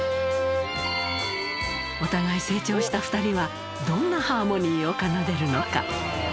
お互い成長した２人は、どんなハーモニーを奏でるのか。